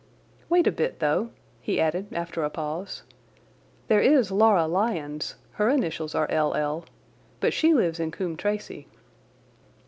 Wait a bit though," he added after a pause. "There is Laura Lyons—her initials are L. L.—but she lives in Coombe Tracey."